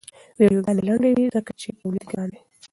ویډیوګانې لنډې وي ځکه چې تولید ګران دی.